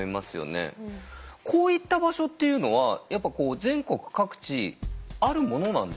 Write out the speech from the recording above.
こういった場所っていうのはやっぱ全国各地あるものなんですかね？